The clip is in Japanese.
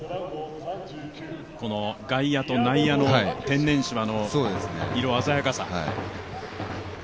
外野と内野の天然芝の色鮮やかさ。